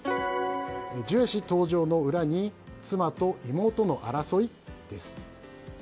ジュエ氏登場の裏に妻と妹の争い？です。